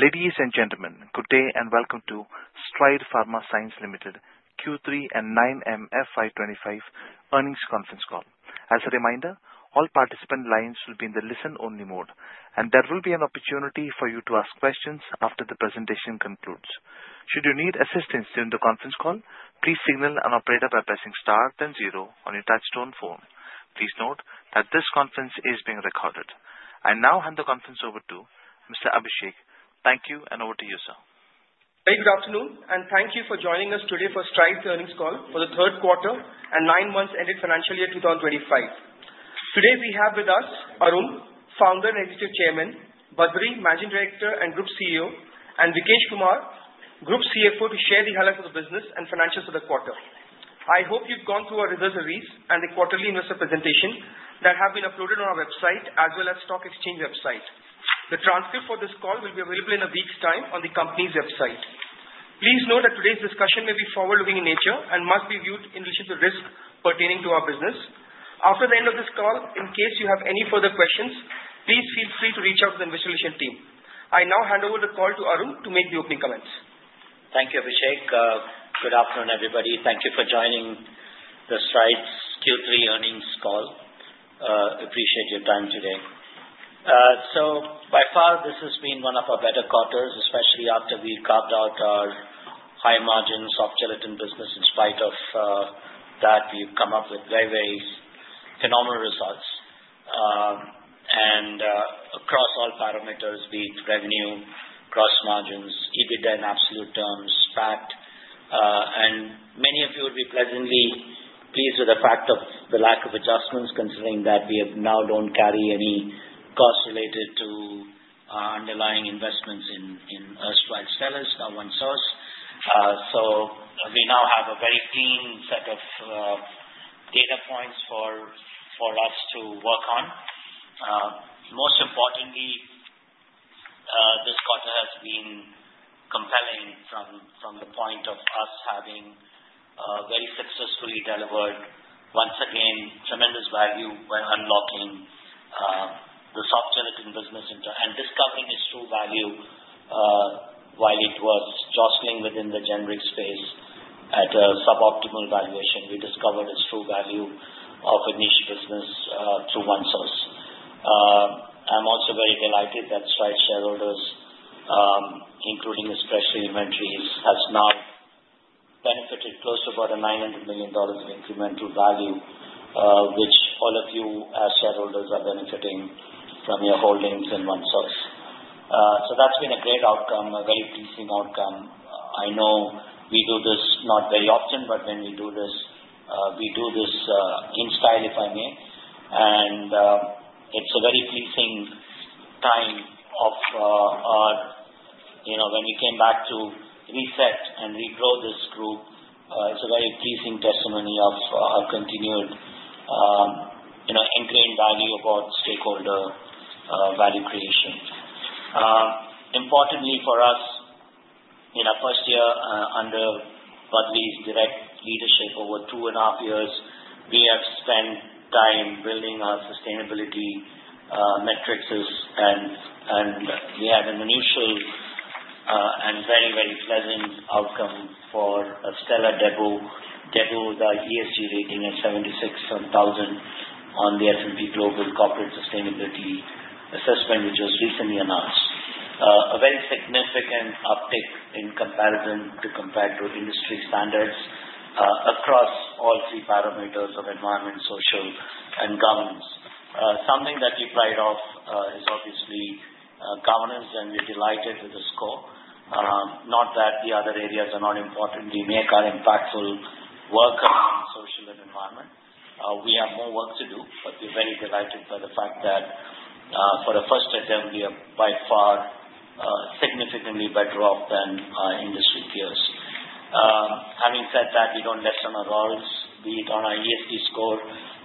Ladies and gentlemen, good day and welcome to Strides Pharma Science Limited Q3 and 9M FY25 earnings conference call. As a reminder, all participant lines will be in the listen-only mode, and there will be an opportunity for you to ask questions after the presentation concludes. Should you need assistance during the conference call, please dial operator by pressing star then zero on your touch-tone phone. Please note that this conference is being recorded. I now hand the conference over to Mr. Abhishek. Thank you, and over to you, sir. Very good afternoon, and thank you for joining us today for Strides' earnings call for the third quarter and nine months ending financial year 2025. Today, we have with us Arun, Founder and Executive Chairman, Badree, Managing Director and Group CEO, and Vikesh Kumar, Group CFO, to share the highlights of the business and financials for the quarter. I hope you've gone through our results and press releases and the quarterly investor presentation that have been uploaded on our website as well as the stock exchange website. The transcript for this call will be available in a week's time on the company's website. Please note that today's discussion may be forward-looking in nature and must be viewed in relation to risk pertaining to our business. After the end of this call, in case you have any further questions, please feel free to reach out to the Investor Relations team. I now hand over the call to Arun to make the opening comments. Thank you, Abhishek. Good afternoon, everybody. Thank you for joining the Strides' Q3 earnings call. I appreciate your time today. So, by far, this has been one of our better quarters, especially after we carved out our high-margin soft-gelatin business. In spite of that, we've come up with very, very phenomenal results. And across all parameters, be it revenue, gross margins, EBITDA in absolute terms, PAT, and many of you will be pleasantly pleased with the fact of the lack of adjustments, considering that we now don't carry any costs related to underlying investments in erstwhile Stelis, now OneSource. So we now have a very clean set of data points for us to work on. Most importantly, this quarter has been compelling from the point of us having very successfully delivered, once again, tremendous value by unlocking the soft-gelatin business and discovering its true value while it was jostling within the generic space at a suboptimal valuation. We discovered its true value of a niche business through OneSource. I'm also very delighted that Strides shareholders, including especially institutional investors, have now benefited close to about a $900 million incremental value, which all of you as shareholders are benefiting from your holdings in OneSource. So that's been a great outcome, a very pleasing outcome. I know we do this not very often, but when we do this, we do this in style, if I may. It's a very pleasing time of our when we came back to reset and regrow this group. It's a very pleasing testimony of our continued enduring value of our stakeholder value creation. Importantly for us, in our first year under Badree's direct leadership, over two and a half years, we have spent time building our sustainability metrics, and we had an initial and very, very pleasant outcome for a stellar debut, the ESG rating at 76,000 on the S&P Global Corporate Sustainability Assessment, which was recently announced. A very significant uptick in comparison to industry standards across all three parameters of environment, social, and governance. Something that we pride on is obviously governance, and we're delighted with the score. Not that the other areas are not important. We make our impactful work on social and environment. We have more work to do, but we're very delighted by the fact that for a first attempt, we are by far significantly better off than our industry peers. Having said that, we don't lessen our roles, be it on our ESG score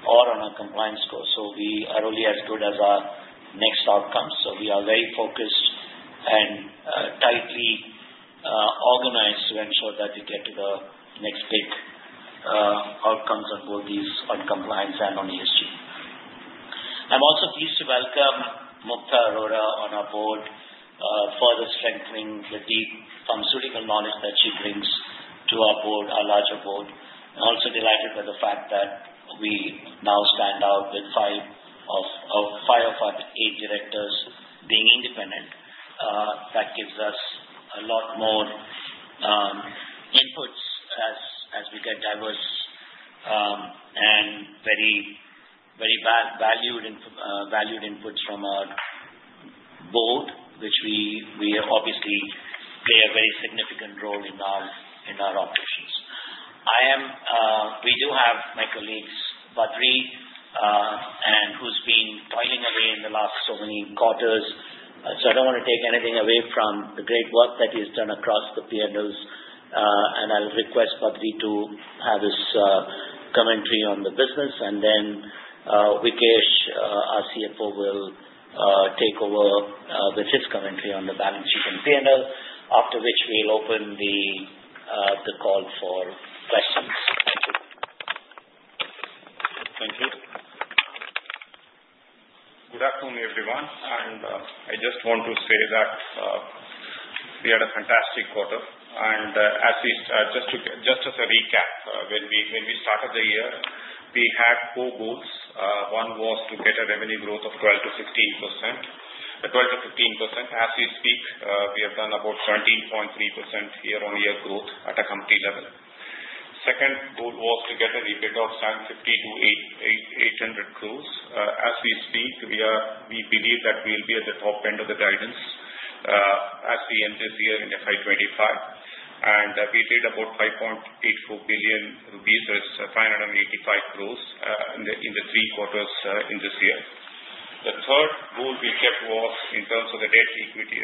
or on our compliance score. So we are only as good as our next outcomes. So we are very focused and tightly organized to ensure that we get to the next big outcomes on both these on compliance and on ESG. I'm also pleased to welcome Mukta Arora on our board for the strengthening the deep pharmaceutical knowledge that she brings to our board, our larger board. I'm also delighted by the fact that we now stand out with five of five of our eight directors being independent. That gives us a lot more inputs as we get diverse and very valued inputs from our board, which we obviously play a very significant role in our operations. We do have my colleagues, Badree, who's been toiling away in the last so many quarters. So I don't want to take anything away from the great work that he has done across the P&Ls, and I'll request Badree to have his commentary on the business. And then Vikesh, our CFO, will take over with his commentary on the balance sheet and P&L, after which we'll open the call for questions. Thank you. Thank you. Good afternoon, everyone. I just want to say that we had a fantastic quarter. Just as a recap, when we started the year, we had four goals. One was to get a revenue growth of 12%-16%, 12%-15%. As we speak, we have done about 13.3% year-on-year growth at a company level. Second goal was to get a EBITDA of 750-800 crores. As we speak, we believe that we'll be at the top end of the guidance as we end this year in FY25. We did about 584 crores rupees, so it's 585 crores in the three quarters in this year. The third goal we kept was in terms of the debt by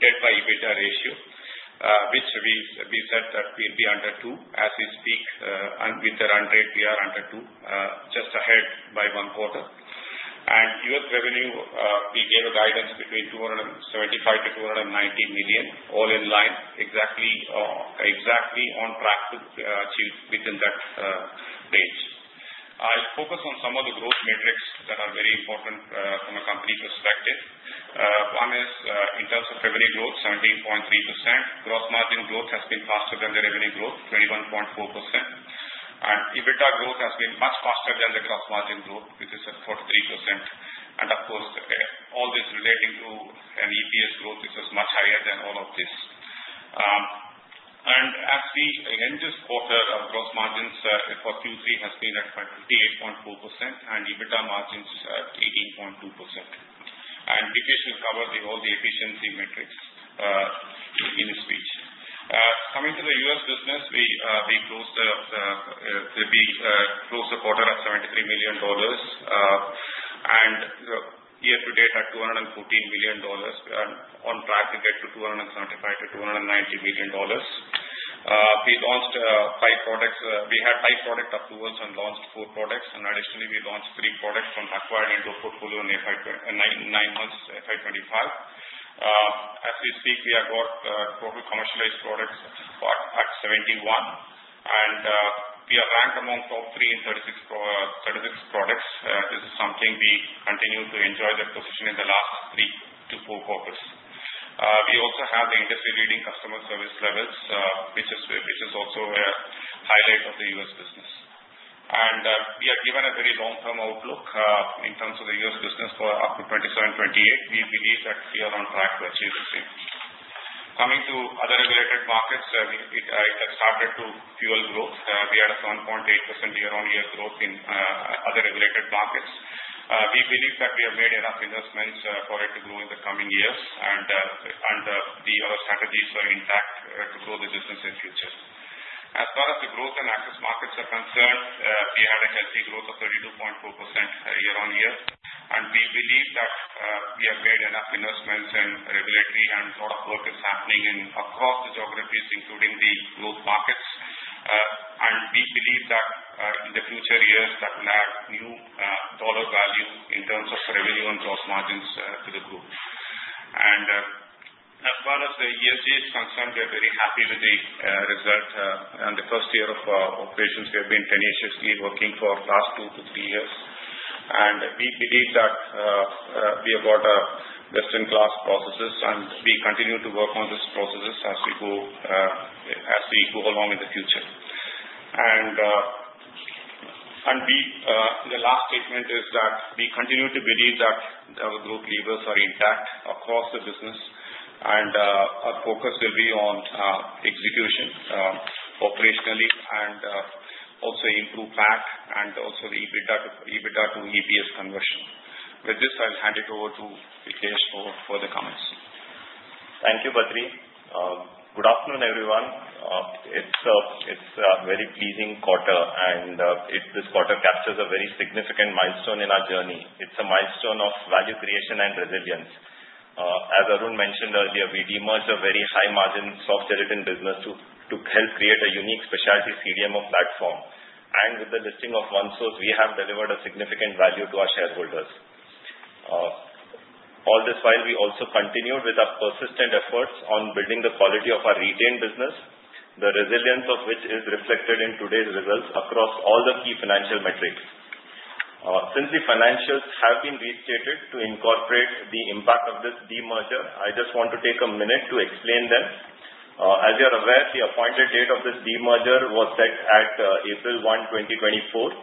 EBITDA ratio, which we said that we'll be under two. As we speak, with the run rate, we are under two, just ahead by one quarter. And US revenue, we gave a guidance between $275-$290 million, all in line, exactly on track to achieve within that range. I'll focus on some of the growth metrics that are very important from a company perspective. One is in terms of revenue growth, 17.3%. Gross margin growth has been faster than the revenue growth, 21.4%. And EBITDA growth has been much faster than the gross margin growth, which is at 43%. And of course, all this relating to an EPS growth is much higher than all of this. And as we end this quarter, our gross margins for Q3 have been at 58.4%, and EBITDA margins at 18.2%. And Vikesh will cover all the efficiency metrics in his speech. Coming to the US business, we closed the quarter at $73 million, and year-to-date at $214 million. We are on track to get to $275-$290 million. We launched five products. We had five product approvals and launched four products. And additionally, we launched three products from the acquired Endo portfolio in nine months FY25. As we speak, we have got total commercialized products at 71, and we are ranked among top three in 36 products. This is something we continue to enjoy the position in the last three to four quarters. We also have the industry-leading customer service levels, which is also a highlight of the US business. And we have a very long-term outlook in terms of the US business for up to 2027, 2028. We believe that we are on track to achieve the same. Coming to other regulated markets, it has started to fuel growth. We had a 7.8% year-on-year growth in other regulated markets. We believe that we have made enough investments for it to grow in the coming years, and the other strategies are intact to grow the business in future. As far as the growth and access markets are concerned, we had a healthy growth of 32.4% year-on-year, and we believe that we have made enough investments in regulatory, and a lot of work is happening across the geographies, including the growth markets, and we believe that in the future years, that will add new dollar value in terms of revenue and gross margins to the group, and as far as the ESG is concerned, we're very happy with the result. In the first year of operations, we have been tenaciously working for the last two to three years. We believe that we have got best-in-class processes, and we continue to work on these processes as we go along in the future. The last statement is that we continue to believe that our group levers are intact across the business, and our focus will be on execution operationally and also improve PAT and also the EBITDA to EPS conversion. With this, I'll hand it over to Vikesh for the comments. Thank you, Badree. Good afternoon, everyone. It's a very pleasing quarter, and this quarter captures a very significant milestone in our journey. It's a milestone of value creation and resilience. As Arun mentioned earlier, we demerged our very high-margin soft-gelatin business to help create a unique specialty CDMO platform, and with the listing of OneSource, we have delivered a significant value to our shareholders. All this while, we also continued with our persistent efforts on building the quality of our retained business, the resilience of which is reflected in today's results across all the key financial metrics. Since the financials have been restated to incorporate the impact of this demerger, I just want to take a minute to explain them. As you're aware, the appointed date of this demerger was set at April 1, 2024.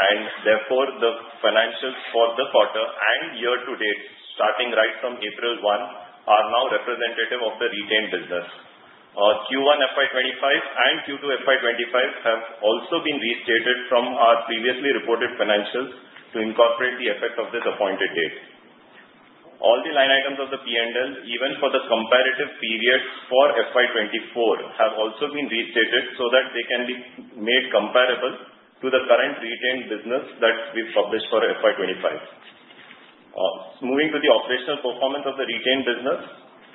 And therefore, the financials for the quarter and year-to-date, starting right from April 1, are now representative of the retained business. Q1 FY2025 and Q2 FY2025 have also been restated from our previously reported financials to incorporate the effect of this appointed date. All the line items of the P&L, even for the comparative periods for FY2024, have also been restated so that they can be made comparable to the current retained business that we've published for FY2025. Moving to the operational performance of the retained business,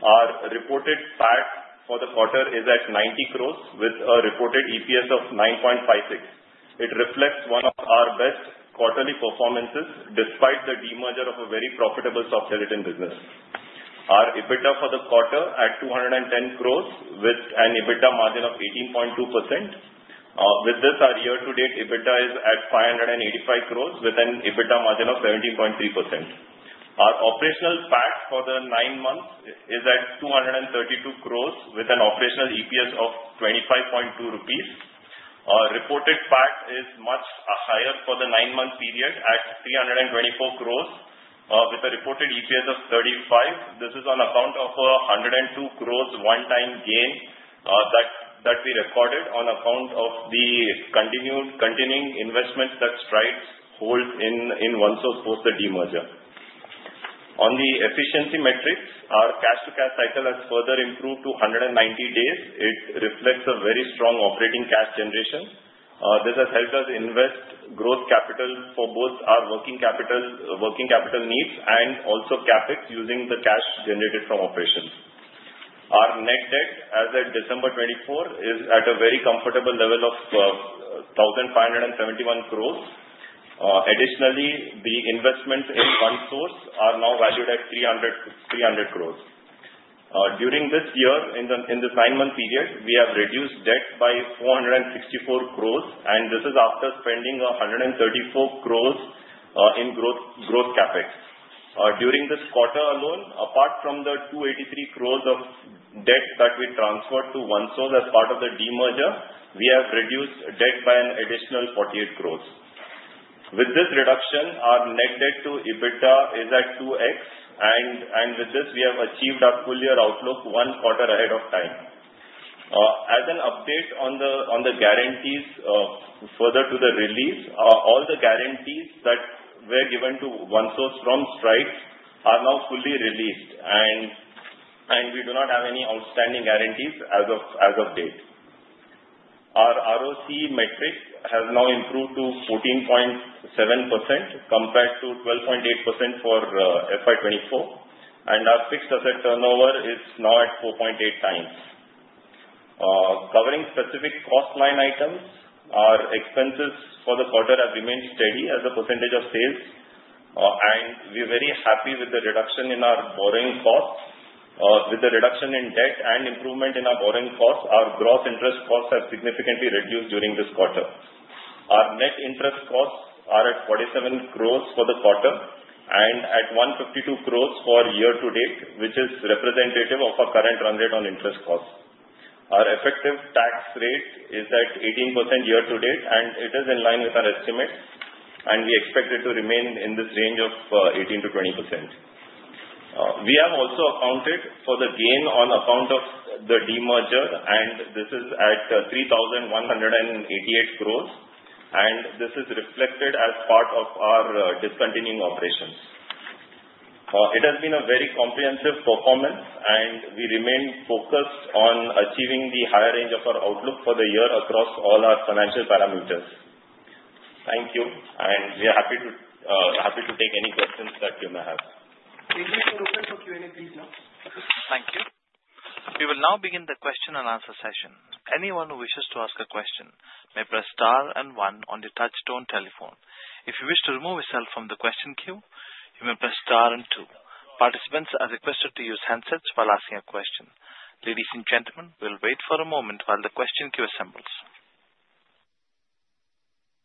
our reported PAT for the quarter is at 90 crores with a reported EPS of 9.56. It reflects one of our best quarterly performances despite the demerger of a very profitable soft-gelatin business. Our EBITDA for the quarter is at 210 crores with an EBITDA margin of 18.2%. With this, our year-to-date EBITDA is at 585 crores with an EBITDA margin of 17.3%. Our operational PAT for the nine months is at 232 crores with an operational EPS of 25.2 rupees. Our reported PAT is much higher for the nine-month period at 324 crores with a reported EPS of 35. This is on account of 102 crores one-time gain that we recorded on account of the continuing investment that Strides holds in OneSource post the demerger. On the efficiency metrics, our cash-to-cash cycle has further improved to 190 days. It reflects a very strong operating cash generation. This has helped us invest growth capital for both our working capital needs and also CapEx using the cash generated from operations. Our net debt as of December 2024 is at a very comfortable level of 1,571 crores. Additionally, the investments in OneSource are now valued at 300 crores. During this year, in this nine-month period, we have reduced debt by 464 crores, and this is after spending 134 crores in growth CapEx. During this quarter alone, apart from the 283 crores of debt that we transferred to OneSource as part of the demerger, we have reduced debt by an additional 48 crores. With this reduction, our net debt to EBITDA is at 2X, and with this, we have achieved our full year outlook one quarter ahead of time. As an update on the guarantees further to the release, all the guarantees that were given to OneSource from Strides are now fully released, and we do not have any outstanding guarantees as of date. Our ROC metric has now improved to 14.7% compared to 12.8% for FY24, and our fixed asset turnover is now at 4.8 times. Covering specific cost line items, our expenses for the quarter have remained steady as a percentage of sales, and we're very happy with the reduction in our borrowing costs. With the reduction in debt and improvement in our borrowing costs, our gross interest costs have significantly reduced during this quarter. Our net interest costs are at 47 crores for the quarter and at 152 crores for year-to-date, which is representative of our current run rate on interest costs. Our effective tax rate is at 18% year-to-date, and it is in line with our estimates, and we expect it to remain in this range of 18%-20%. We have also accounted for the gain on account of the demerger, and this is at 3,188 crores, and this is reflected as part of our discontinued operations. It has been a very comprehensive performance, and we remain focused on achieving the higher range of our outlook for the year across all our financial parameters. Thank you, and we are happy to take any questions that you may have. We're going to open for Q&A, please, now. Thank you. We will now begin the question and answer session. Anyone who wishes to ask a question may press star and one on the touch-tone telephone. If you wish to remove yourself from the question queue, you may press star and two. Participants are requested to use handsets while asking a question. Ladies and gentlemen, we'll wait for a moment while the question queue assembles.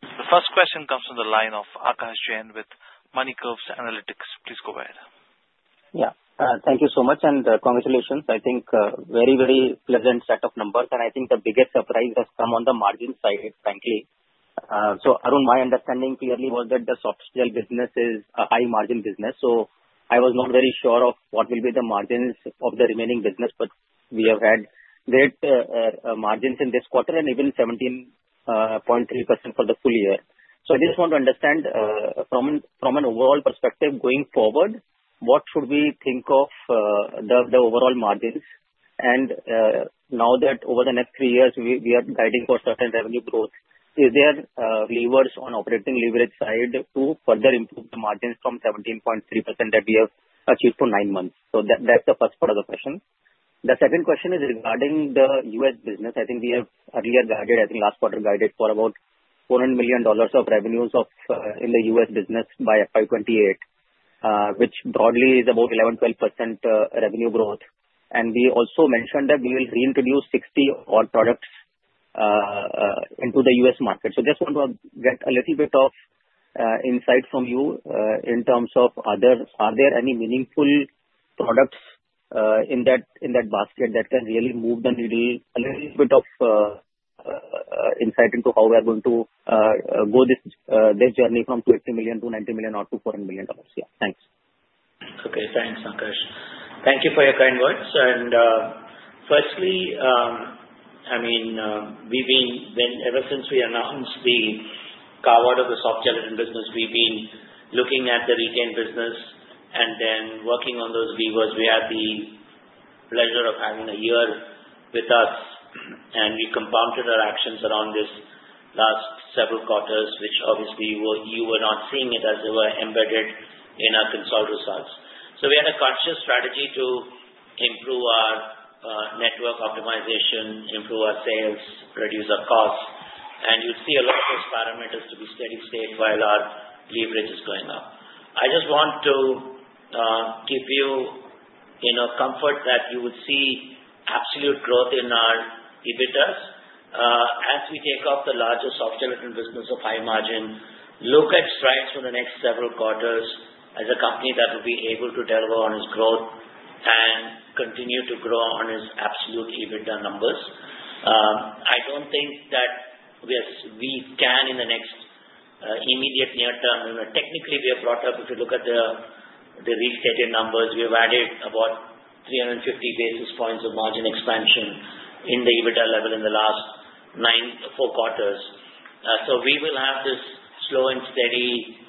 The first question comes from the line of Akash Jain with Moneycurve Analytics. Please go ahead. Yeah. Thank you so much, and congratulations. I think a very, very pleasant set of numbers, and I think the biggest surprise has come on the margin side, frankly. So Arun, my understanding clearly was that the soft-gel business is a high-margin business, so I was not very sure of what will be the margins of the remaining business, but we have had great margins in this quarter and even 17.3% for the full year. So I just want to understand from an overall perspective going forward, what should we think of the overall margins? And now that over the next three years, we are guiding for certain revenue growth, is there levers on operating leverage side to further improve the margins from 17.3% that we have achieved for nine months? So that's the first part of the question. The second question is regarding the U.S. business. I think we have earlier guided. I think last quarter guided for about $400 million of revenues in the US business by FY28, which broadly is about 11%-12% revenue growth. We also mentioned that we will reintroduce 60-odd products into the US market. So I just want to get a little bit of insight from you in terms of other. Are there any meaningful products in that basket that can really move the needle? A little bit of insight into how we are going to go this journey from $280 million to $90 million or to $400 million. Yeah. Thanks. Okay. Thanks, Akash. Thank you for your kind words. And firstly, I mean, ever since we announced the carve-out of the soft-gelatin business, we've been looking at the retained business and then working on those levers. We had the pleasure of having Badree with us, and we compounded our actions around this last several quarters, which obviously you were not seeing it as they were embedded in our consolidated results. So we had a conscious strategy to improve our working capital optimization, improve our sales, reduce our costs, and you'd see a lot of those parameters to be steady state while our revenue is going up. I just want to give you a comfort that you would see absolute growth in our EBITDAs as we strip out the larger soft-gelatin business of high margin. Look at Strides for the next several quarters as a company that will be able to deliver on its growth and continue to grow on its absolute EBITDA numbers. I don't think that we can in the next immediate near term. Technically, we have brought up, if you look at the restated numbers, we have added about 350 basis points of margin expansion in the EBITDA level in the last nine four quarters. So we will have this slow and steady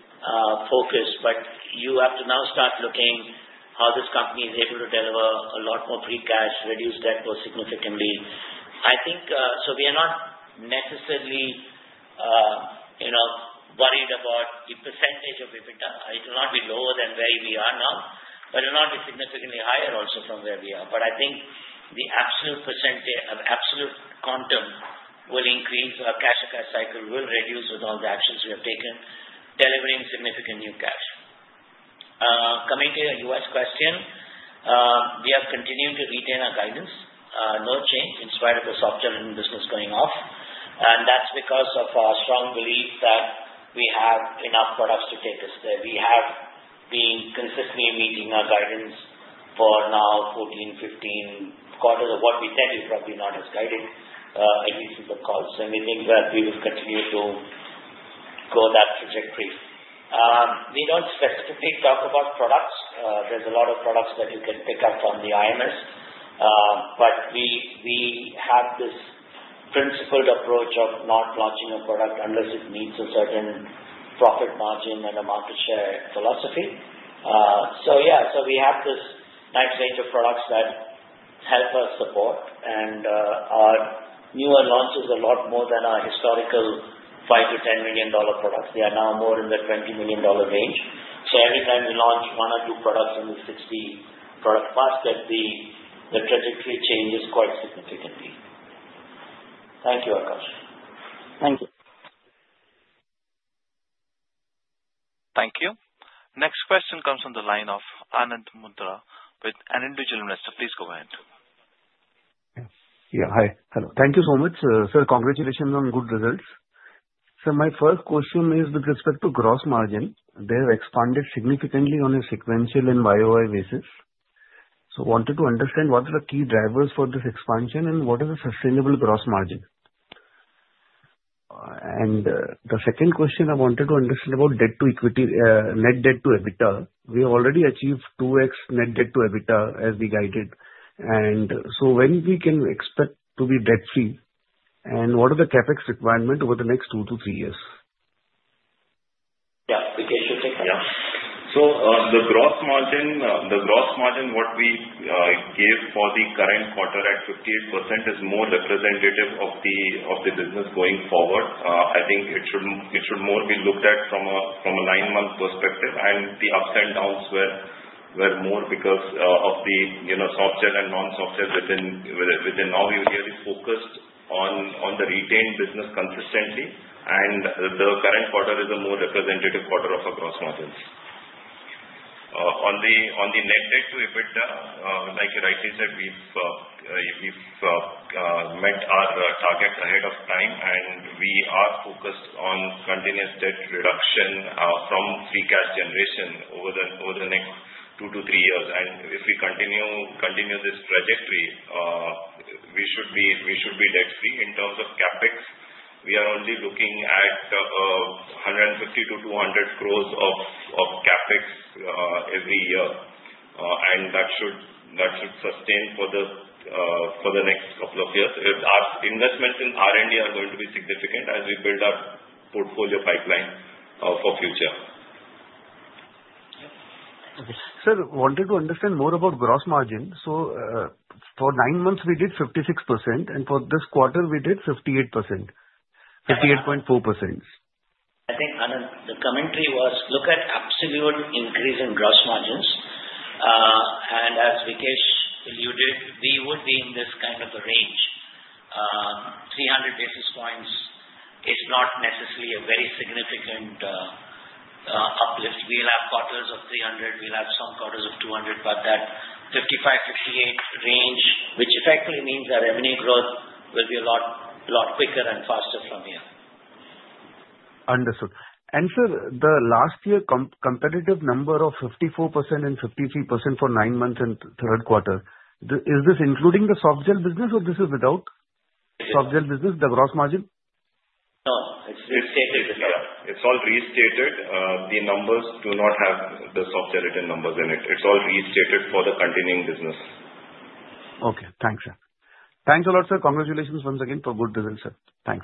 focus, but you have to now start looking how this company is able to deliver a lot more free cash, reduce debt growth significantly. I think, so we are not necessarily worried about the percentage of EBITDA. It will not be lower than where we are now, but it will not be significantly higher also from where we are. But I think the absolute percentage, absolute quantum will increase. Our cash-to-cash cycle will reduce with all the actions we have taken, delivering significant new cash. Coming to your U.S. question, we have continued to retain our guidance. No change in spite of the soft-gelatin business going off, and that's because of our strong belief that we have enough products to take us there. We have been consistently meeting our guidance for now 14, 15 quarters. What we tell you is probably not as guided at least in the calls, and we think that we will continue to go that trajectory. We don't specifically talk about products. There's a lot of products that you can pick up from the IMS, but we have this principled approach of not launching a product unless it meets a certain profit margin and a market share philosophy. So yeah, so we have this nice range of products that help us support, and our newer launches are a lot more than our historical $5-$10 million products. They are now more in the $20 million range. So every time we launch one or two products in the 60 product basket, the trajectory changes quite significantly. Thank you, Akash. Thank you. Thank you. Next question comes from the line of Anant Mundra with Nippon India Mutual Fund. Please go ahead. Yeah. Hi. Hello. Thank you so much. Sir, congratulations on good results. Sir, my first question is with respect to gross margin. They have expanded significantly on a sequential and YoY basis. So I wanted to understand what are the key drivers for this expansion and what is a sustainable gross margin? And the second question I wanted to understand about debt to equity, net debt to EBITDA. We have already achieved 2X net debt to EBITDA as we guided. And so when we can expect to be debt-free and what are the CapEx requirements over the next two to three years? Yeah. We can sure take that. Yeah. So the gross margin, what we gave for the current quarter at 58% is more representative of the business going forward. I think it should more be looked at from a nine-month perspective, and the ups and downs were more because of the soft-gel and non-soft-gel within. Now we're really focused on the retained business consistently, and the current quarter is a more representative quarter of our gross margins. On the net debt to EBITDA, like you rightly said, we've met our targets ahead of time, and we are focused on continuous debt reduction from free cash generation over the next two to three years. And if we continue this trajectory, we should be debt-free. In terms of CapEx, we are only looking at 150-200 crores of CapEx every year, and that should sustain for the next couple of years. Our investments in R&D are going to be significant as we build our portfolio pipeline for the future. Sir, wanted to understand more about gross margin. So for nine months, we did 56%, and for this quarter, we did 58%, 58.4%. I think the commentary was, "Look at absolute increase in gross margins." And as Vikesh you did, we would be in this kind of a range. 300 basis points is not necessarily a very significant uplift. We'll have quarters of 300. We'll have some quarters of 200, but that 55-58 range, which effectively means our revenue growth will be a lot quicker and faster from here. Understood. And sir, the last year competitive number of 54% and 53% for nine months and third quarter, is this including the soft-gel business or this is without soft-gel business, the gross margin? No. It's restated. Yeah. It's all restated. The numbers do not have the soft-gelatin numbers in it. It's all restated for the continuing business. Okay. Thanks, sir. Thanks a lot, sir. Congratulations once again for good results, sir. Thanks.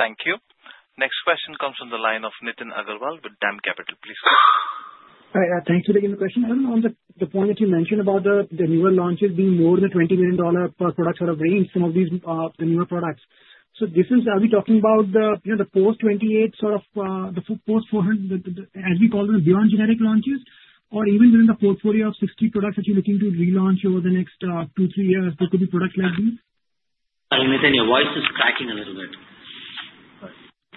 Thank you. Next question comes from the line of Nitin Agarwal with DAM Capital. Please go ahead. All right. Thank you for the question. On the point that you mentioned about the newer launches being more than $20 million per product sort of range, some of these newer products. So are we talking about the post-28 sort of the post-400, as we call them, beyond generic launches, or even within the portfolio of 60 products that you're looking to relaunch over the next two, three years, there could be products like these? Nitin, your voice is cracking a little bit.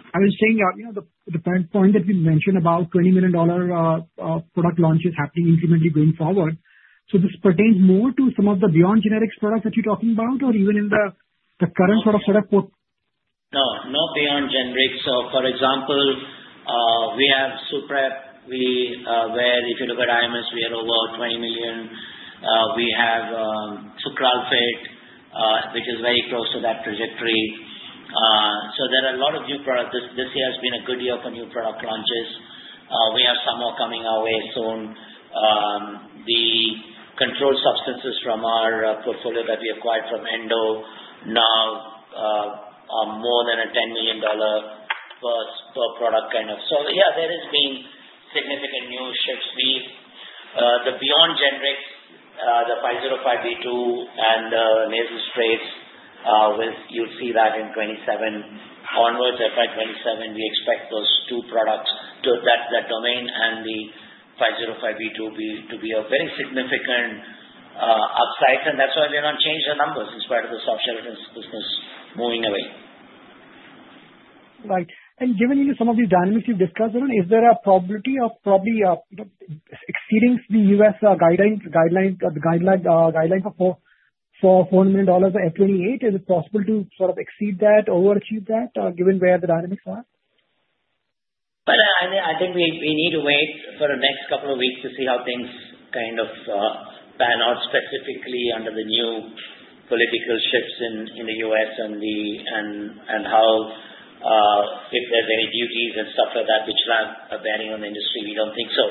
I was saying the point that you mentioned about $20 million product launches happening incrementally going forward. So does this pertain more to some of the beyond generics products that you're talking about, or even in the current sort of? No, not beyond generics. So for example, we have Suprep, where if you look at IMS, we are over $20 million. We have sucralfate, which is very close to that trajectory. So there are a lot of new products. This year has been a good year for new product launches. We have some more coming our way soon. The controlled substances from our portfolio that we acquired from Endo now are more than $10 million per product kind of. So yeah, there have been significant new shifts. The beyond generics, the 505(b)(2) and the nasal sprays, you'll see that in 2027 onwards. FY27, we expect those two products, that domain and the 505(b)(2), to be a very significant upside. And that's why we're going to change the numbers in spite of the soft-gelatin business moving away. Right. And given some of these dynamics you've discussed, Arun, is there a probability of probably exceeding the U.S. guidelines for $400 million for F28? Is it possible to sort of exceed that, overachieve that, given where the dynamics are? But I think we need to wait for the next couple of weeks to see how things kind of pan out specifically under the new political shifts in the U.S. and how, if there's any duties and stuff like that, which are bearing on the industry, we don't think so.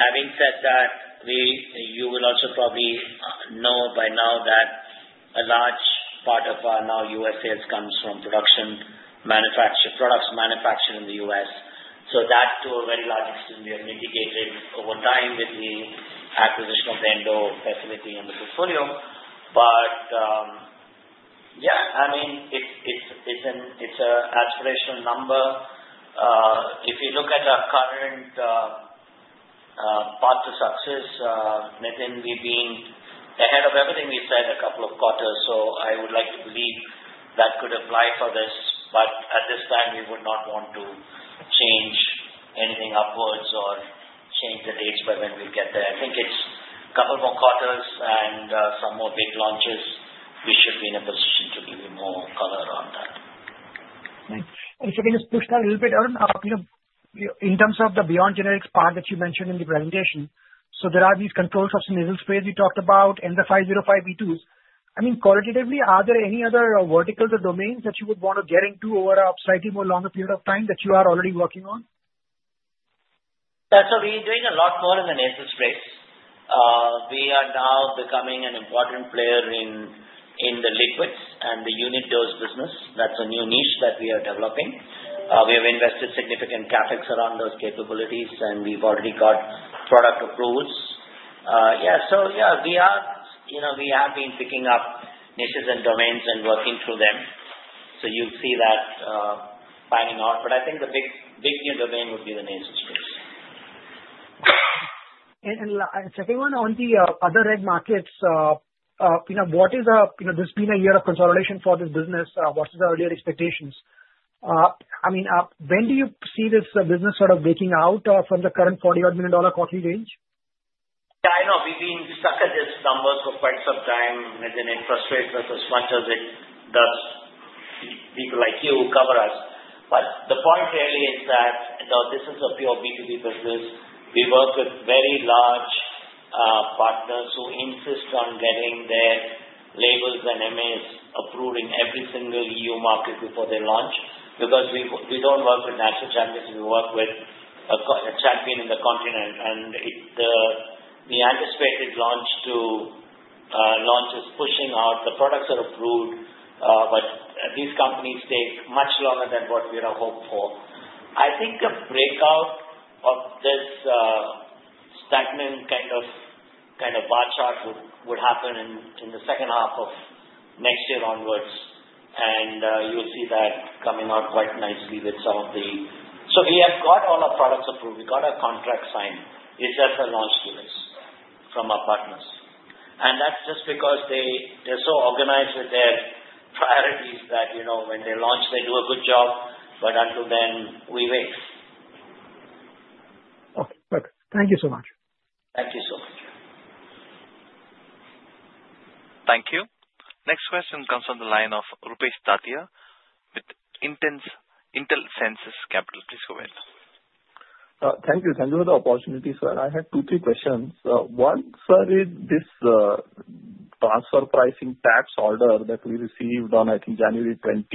Having said that, you will also probably know by now that a large part of our now U.S. sales comes from products manufactured in the U.S., so that, to a very large extent, we have mitigated over time with the acquisition of the Endo facility and the portfolio, but yeah, I mean, it's an aspirational number. If you look at our current path to success, Nitin, we've been ahead of everything we said a couple of quarters, so I would like to believe that could apply for this. But at this time, we would not want to change anything upwards or change the dates by when we get there. I think it's a couple more quarters and some more big launches. We should be in a position to give you more color on that. Thanks. And so we just pushed that a little bit, Arun, in terms of the beyond generics part that you mentioned in the presentation. So there are these controlled substances space we talked about and the 505(b)(2)s. I mean, qualitatively, are there any other verticals or domains that you would want to get into over a slightly more longer period of time that you are already working on? Yeah, so we're doing a lot more in the nasal sprays. We are now becoming an important player in the liquids and the unit dose business. That's a new niche that we are developing. We have invested significant CapEx around those capabilities, and we've already got product approvals. Yeah, so yeah, we have been picking up niches and domains and working through them, so you'll see that panning out. But I think the big new domain would be the nasal sprays. Second one on the other regulated markets, what's been a year of consolidation for this business. What are the earlier expectations? I mean, when do you see this business sort of breaking out from the current $40 million quarterly range? Yeah. I know we've been stuck at these numbers for quite some time, Nitin. It frustrates us as much as it does people like you who cover us. But the point really is that this is a pure B2B business. We work with very large partners who insist on getting their labels and MAs approved in every single EU market before they launch because we don't work with national champions. We work with a champion in the continent, and the anticipated launch is pushing out. The products are approved, but these companies take much longer than what we hope for. I think the breakout of this stagnant kind of bar chart would happen in the second half of next year onwards, and you'll see that coming out quite nicely with some of the so we have got all our products approved. We got our contract signed. It's just a launch to us from our partners. And that's just because they're so organized with their priorities that when they launch, they do a good job. But until then, we wait. Okay. Perfect. Thank you so much. Thank you so much. Thank you. Next question comes from the line of Rupesh Tatiya with Intelsense Capital. Please go ahead. Thank you. Thank you for the opportunity, sir. I had two or three questions. One, sir, is this transfer pricing tax order that we received on, I think, January 20?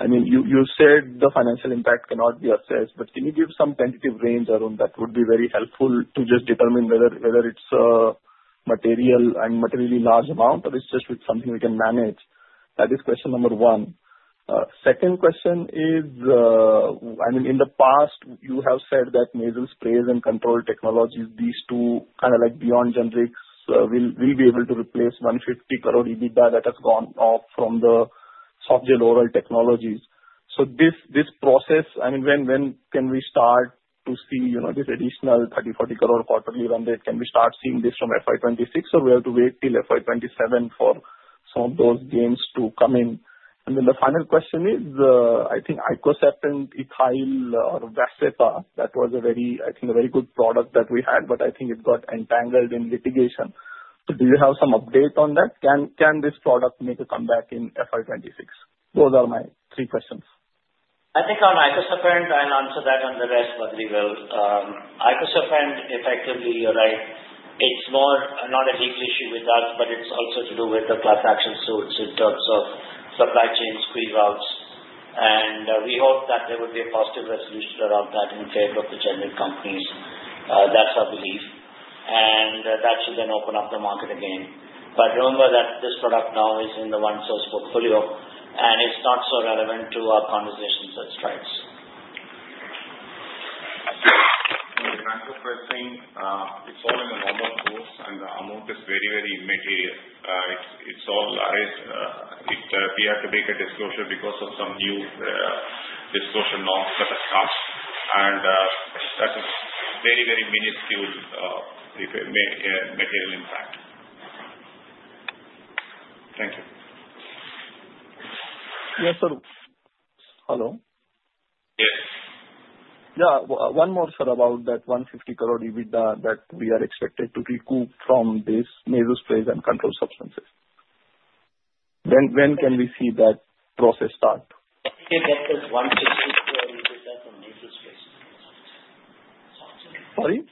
I mean, you said the financial impact cannot be assessed. But can you give some tentative range, Arun, that would be very helpful to just determine whether it's a material and materially large amount, or it's just something we can manage? That is question number one. Second question is, I mean, in the past, you have said that nasal sprays and control technologies, these two kind of like beyond generics, will be able to replace 150 crore EBITDA that has gone off from the soft-gel oral technologies. So this process, I mean, when can we start to see this additional 30-40 crore quarterly run rate? Can we start seeing this from FY26, or we have to wait till FY27 for some of those gains to come in? And then the final question is, I think Icosapent ethyl or Vascepa, that was, I think, a very good product that we had, but I think it got entangled in litigation. So do you have some update on that? Can this product make a comeback in FY26? Those are my three questions. I think on Icosapent, I'll answer that on the rest of what we will. Icosapent, effectively, you're right. It's more not a deep issue with us, but it's also to do with the class action suits in terms of supply chain squeeze-outs. And we hope that there would be a positive resolution around that in favor of the generic companies. That's our belief. And that should then open up the market again. But remember that this product now is in the OneSource portfolio, and it's not so relevant to our conversations at Strides. Thank you for asking. It's all in the normal course, and the amount is very, very material. It's so large we have to make a disclosure because of some new disclosure norms that have come, and that's a very, very immaterial impact. Thank you. Yes, sir. Hello. Yes. Yeah. One more, sir, about that 150 crore EBITDA that we are expected to recoup from these nasal sprays and controlled substances. When can we see that process start? We can get that INR 150 crore EBITDA from nasal sprays. Sorry?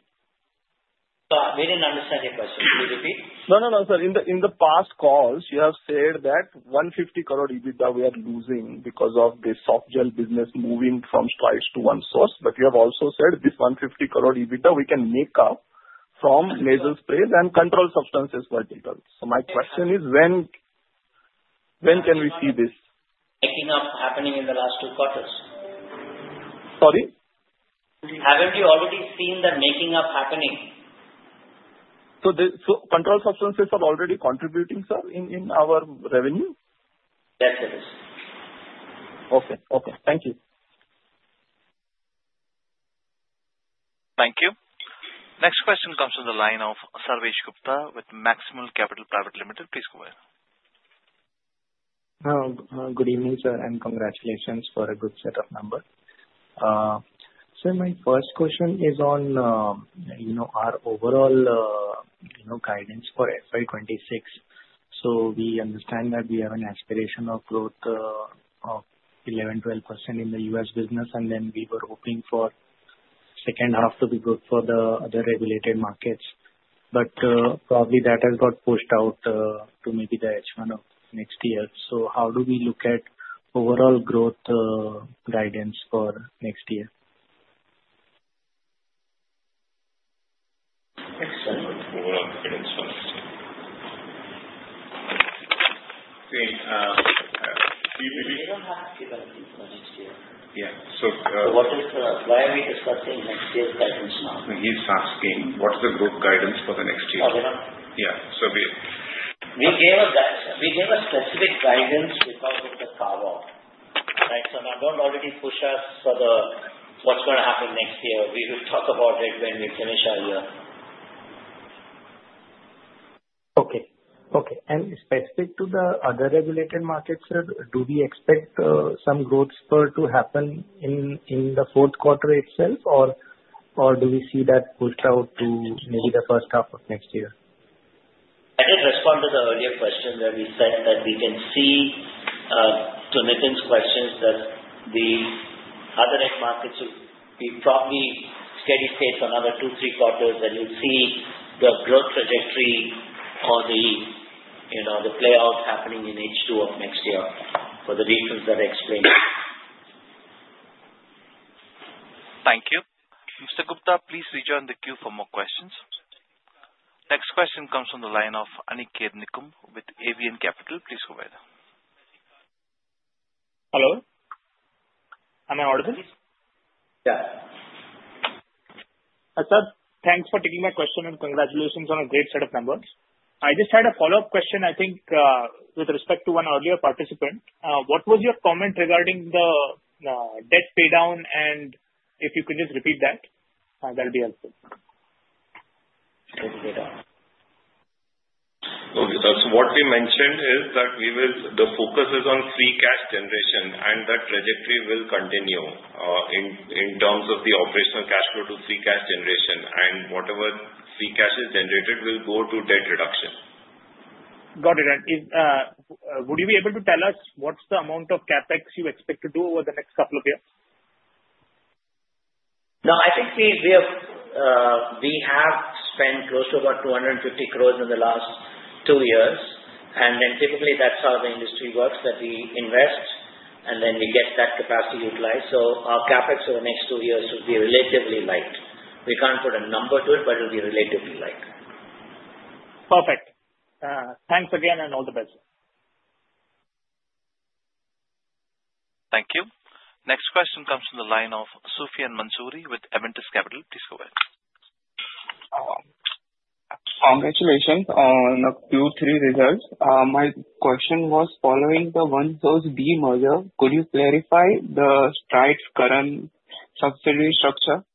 We didn't understand your question. Can you repeat? No, no, no, sir. In the past calls, you have said that 150 crore EBITDA we are losing because of the soft-gelatin business moving from Strides to OneSource. But you have also said this 150 crore EBITDA we can make up from nasal sprays and controlled substances verticals. So my question is, when can we see this? Making up happening in the last two quarters? Sorry? Haven't you already seen the making up happening? Controlled substances are already contributing, sir, in our revenue? Yes, it is. Okay. Okay. Thank you. Thank you. Next question comes from the line of Sarvesh Gupta with Maximal Capital Private Limited. Please go ahead. Good evening, sir, and congratulations for a good set of numbers. Sir, my first question is on our overall guidance for FY26. So we understand that we have an aspiration of growth of 11%-12% in the US business, and then we were hoping for second half to be good for the other regulated markets. But probably that has got pushed out to maybe the H1 of next year. So how do we look at overall growth guidance for next year? Excellent. We'll have to get into that. We don't have to give a deeper next year. Yeah, so why are we discussing next year's guidance now? He's asking, what is the growth guidance for the next year? Oh, we don't. Yeah. So we. We gave a specific guidance because of the carve-out. Right? So now don't already push us for what's going to happen next year. We will talk about it when we finish our year. Specific to the other regulated markets, sir, do we expect some growth to happen in the fourth quarter itself, or do we see that pushed out to maybe the first half of next year? I did respond to the earlier question where we said that we can see, to Nitin's questions, that the other markets will be probably steady states for another two, three quarters, and you'll see the growth trajectory or the playout happening in H2 of next year for the reasons that I explained. Thank you. Mr. Gupta, please rejoin the queue for more questions. Next question comes from the line of Aniket Nikumbh with AVN Capital. Please go ahead. Hello. I'm Arun. Yeah. Sir, thanks for taking my question and congratulations on a great set of numbers. I just had a follow-up question, I think, with respect to one earlier participant. What was your comment regarding the debt paydown, and if you could just repeat that, that would be helpful. Debt paydown. Okay. So what we mentioned is that the focus is on free cash generation, and that trajectory will continue in terms of the operational cash flow to free cash generation. And whatever free cash is generated will go to debt reduction. Got it. And would you be able to tell us what's the amount of CapEx you expect to do over the next couple of years? No. I think we have spent close to about 250 crores in the last two years. And then typically, that's how the industry works, that we invest, and then we get that capacity utilized. So our CapEx over the next two years will be relatively light. We can't put a number to it, but it will be relatively light. Perfect. Thanks again, and all the best. Thank you. Next question comes from the line of Sufiyan Mansuri with Avendus Capital. Please go ahead. Congratulations on a Q3 result. My question was following the OneSource demerger, could you clarify the Strides' current subsidiary structure?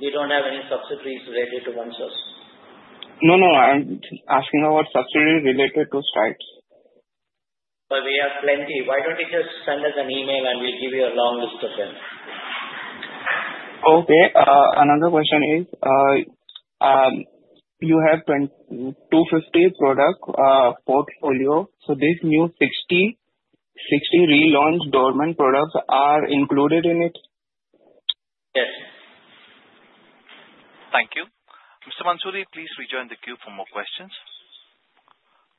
We don't have any subsidies related to OneSource. No, no. I'm asking about subsidies related to Strides. But we have plenty. Why don't you just send us an email, and we'll give you a long list of them? Okay. Another question is, you have 250 product portfolio? So this new 60 relaunched dormant products are included in it? Yes. Thank you. Mr. Mansoori, please rejoin the queue for more questions.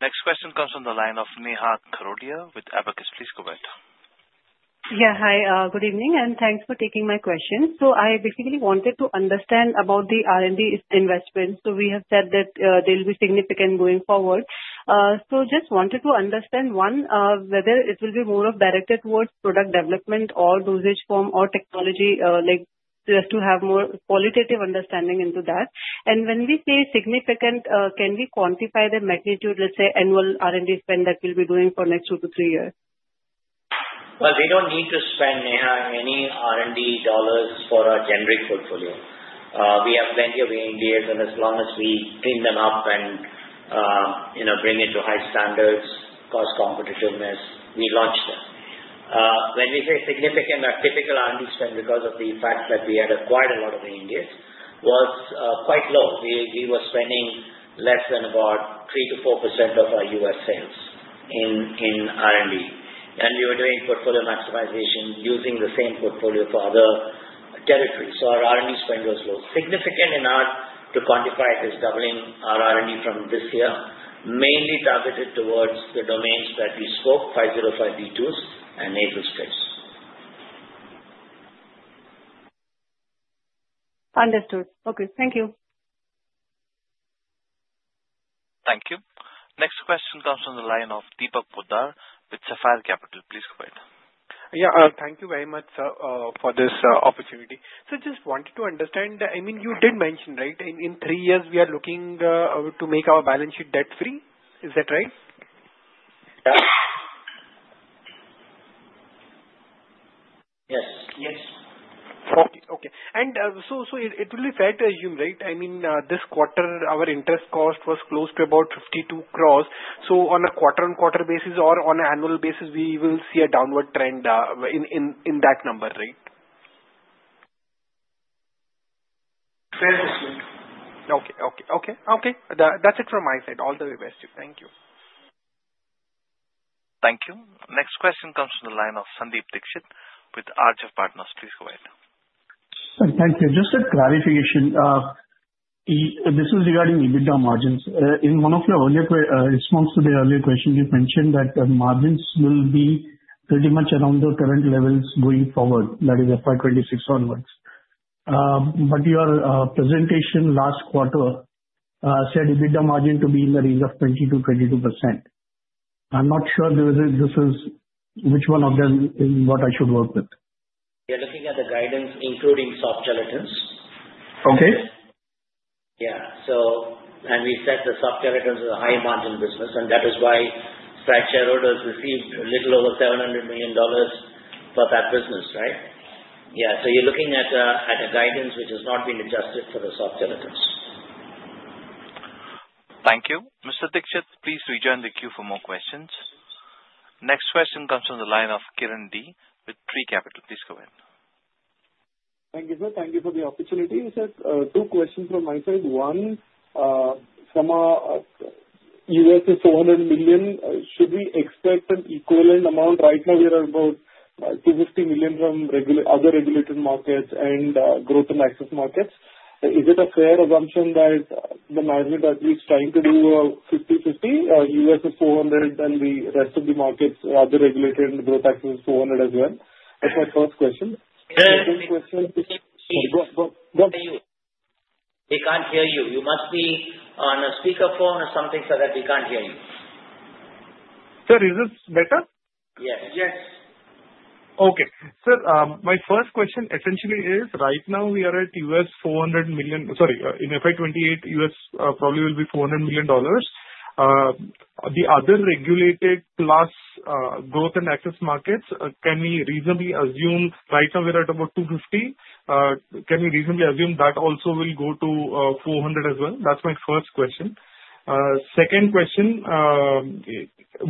Next question comes from the line of Nihad Karodia with Abakkus. Please go ahead. Yeah. Hi. Good evening, and thanks for taking my question. So I basically wanted to understand about the R&D investment. So we have said that there will be significant going forward. So just wanted to understand, one, whether it will be more of directed towards product development or dosage form or technology, just to have more qualitative understanding into that. And when we say significant, can we quantify the magnitude, let's say, annual R&D spend that we'll be doing for next two to three years? We don't need to spend any R&D dollars for a generic portfolio. We have plenty of ANDAs, and as long as we clean them up and bring it to high standards, cost competitiveness, we launch them. When we say significant, our typical R&D spend, because of the fact that we had acquired a lot of ANDAs, was quite low. We were spending less than about 3%-4% of our US sales in R&D. We were doing portfolio maximization using the same portfolio for other territories. Our R&D spend was low. It is significant enough to quantify it as doubling our R&D from this year, mainly targeted towards the domains that we scope, 505(b)(2)s and nasal sprays. Understood. Okay. Thank you. Thank you. Next question comes from the line of Deepak Poddar with Sapphire Capital. Please go ahead. Yeah. Thank you very much for this opportunity. So just wanted to understand, I mean, you did mention, right, in three years, we are looking to make our balance sheet debt-free. Is that right? Yes. Yes. Okay. Okay. And so it will be fair to assume, right? I mean, this quarter, our interest cost was close to about 52 crores. So on a quarter-on-quarter basis or on an annual basis, we will see a downward trend in that number, right? Fair to assume. Okay. That's it from my side. All the very best to you. Thank you. Thank you. Next question comes from the line of Sandeep Dixit with Arjav Partners. Please go ahead. Thank you. Just a clarification. This is regarding EBITDA margins. In one of your earlier responses to the earlier question, you mentioned that the margins will be pretty much around the current levels going forward, that is FY26 onwards. But your presentation last quarter said EBITDA margin to be in the range of 20%-22%. I'm not sure which one of them is what I should work with. You're looking at the guidance including soft-gelatins. Okay. Yeah, and we said the soft gelatins are a high-margin business, and that is why Strides Shareholders received a little over $700 million for that business, right? Yeah, so you're looking at a guidance which has not been adjusted for the soft gelatins. Thank you. Mr. Dixit, please rejoin the queue for more questions. Next question comes from the line of Kiran D with Tree Capital. Please go ahead. Thank you, sir. Thank you for the opportunity, sir. Two questions from my side. One, from a U.S. of $400 million, should we expect an equivalent amount? Right now, we are about $250 million from other regulated markets and growth and access markets. Is it a fair assumption that the management at least trying to do a 50/50, U.S. of $400 million, and the rest of the markets, other regulated and growth access is $400 million as well? That's my first question. Yeah. Second question. Sorry. Go ahead. We can't hear you. You must be on a speakerphone or something so that we can't hear you. Sir, is this better? Yes. Yes. Okay. Sir, my first question essentially is, right now, we are at $400 million, sorry, in FY28, US probably will be $400 million. The other regulated plus growth and access markets, can we reasonably assume right now we're at about $250 million? Can we reasonably assume that also will go to $400 million as well? That's my first question. Second question,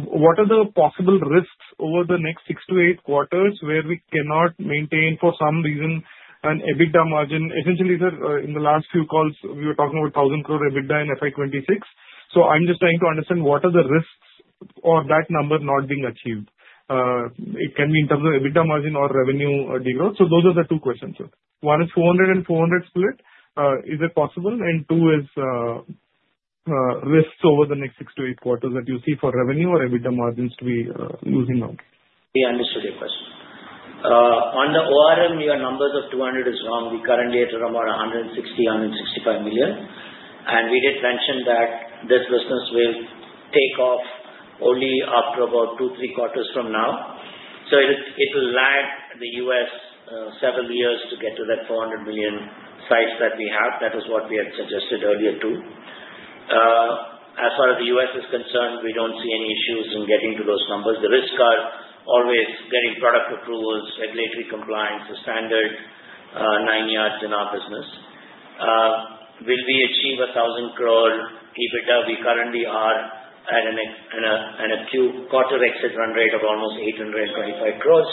what are the possible risks over the next six to eight quarters where we cannot maintain, for some reason, an EBITDA margin? Essentially, sir, in the last few calls, we were talking about 1,000 crore EBITDA in FY26. So I'm just trying to understand what are the risks or that number not being achieved. It can be in terms of EBITDA margin or revenue degrowth. So those are the two questions, sir. One is $400 and $400 split, is it possible? Two is risks over the next six to eight quarters that you see for revenue or EBITDA margins to be losing out? We understood your question. On the ORM, your numbers of 200 is wrong. We currently are at around $160-$165 million. And we did mention that this business will take off only after about two, three quarters from now, so it will lag the US several years to get to that $400 million size that we have. That is what we had suggested earlier too. As far as the US is concerned, we don't see any issues in getting to those numbers. The risks are always getting product approvals, regulatory compliance, the standard nine yards in our business. Will we achieve 1,000 crore EBITDA? We currently are at the current quarter exit run rate of almost 825 crore.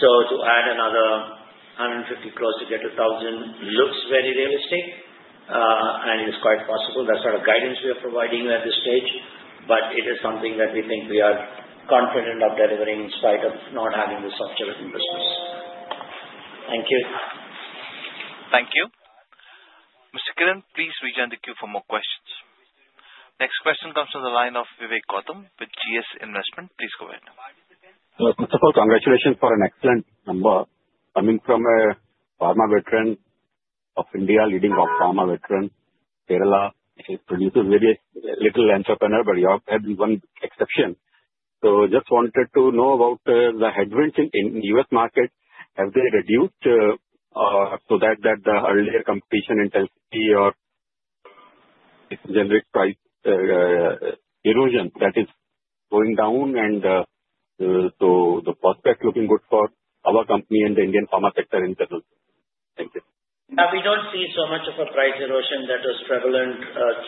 So to add another 150 crore to get to 1,000 looks very realistic, and it is quite possible. That's not a guidance we are providing you at this stage, but it is something that we think we are confident of delivering in spite of not having the soft gelatin business. Thank you. Thank you. Mr. Kiran, please rejoin the queue for more questions. Next question comes from the line of Vivek Gautam with GS Investments. Please go ahead. First of all, congratulations for an excellent number coming from a pharma veteran of India, leading-up pharma veteran, Kerala. It produces various little entrepreneurs, but you have one exception. So just wanted to know about the headwinds in the U.S. market. Have they reduced so that the earlier competition intensity or generic price erosion that is going down, and so the prospect looking good for our company and the Indian pharma sector in general? Thank you. Now, we don't see so much of a price erosion that was prevalent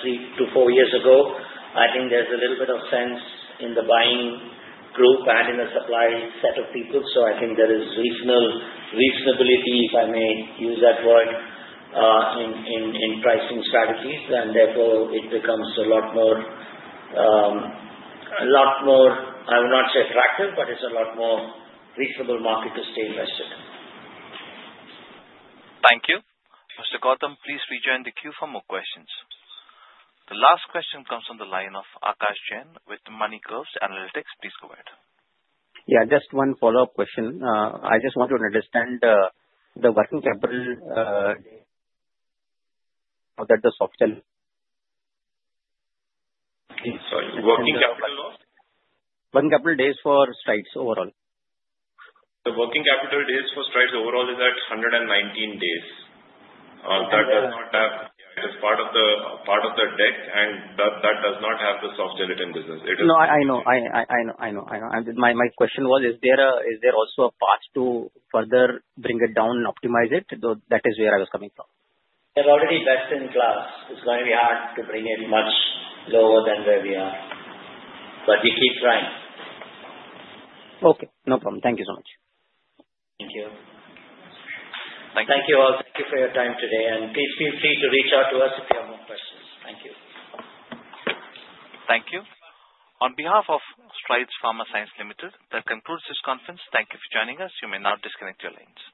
three to four years ago. I think there's a little bit of sense in the buying group and in the supply set of people. So I think there is reasonability, if I may use that word, in pricing strategies, and therefore, it becomes a lot more. I will not say attractive, but it's a lot more reasonable market to stay invested. Thank you. Mr. Gautam, please rejoin the queue for more questions. The last question comes from the line of Akash Jain with MoneyCurve Analytics. Please go ahead. Yeah. Just one follow-up question. I just want to understand the working capital that the soft gel- Sorry. Working capital loss? Working capital days for Strides overall? The working capital days for Strides overall is at 119 days. That does not have it. It is part of the deck, and that does not have the soft gelatin business. It is not. No, I know. My question was, is there also a path to further bring it down and optimize it? That is where I was coming from. We are already best in class. It's going to be hard to bring it much lower than where we are, but we keep trying. Okay. No problem. Thank you so much. Thank you. Thank you all. Thank you for your time today. And please feel free to reach out to us if you have more questions. Thank you. Thank you. On behalf of Strides Pharma Science Limited, that concludes this conference. Thank you for joining us. You may now disconnect your lines.